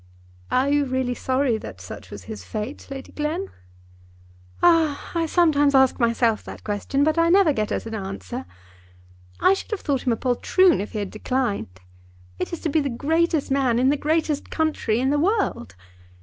"Are you really sorry that such was his fate, Lady Glen?" "Ah, I sometimes ask myself that question, but I never get at an answer. I should have thought him a poltroon if he had declined. It is to be the greatest man in the greatest country in the world.